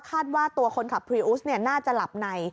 ว่าตัวคนขับพรีอุสน่าจะหลับใน